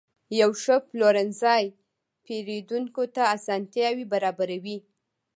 یو ښه پلورنځی پیرودونکو ته اسانتیا برابروي.